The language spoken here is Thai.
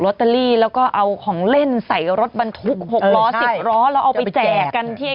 ตเตอรี่แล้วก็เอาของเล่นใส่รถบรรทุก๖ล้อ๑๐ล้อแล้วเอาไปแจกกันที่ไอ้